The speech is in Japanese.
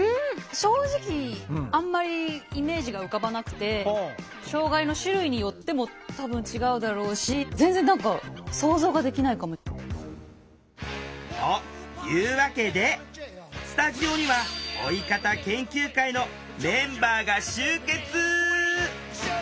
正直あんまりイメージが浮かばなくて障害の種類によっても多分違うだろうし全然何か想像ができないかも。というわけでスタジオには「老い方研究会」のメンバーが集結！